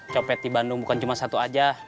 copet di bandung bukan cuma satu aja